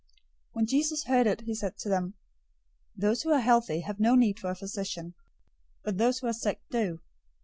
009:012 When Jesus heard it, he said to them, "Those who are healthy have no need for a physician, but those who are sick do.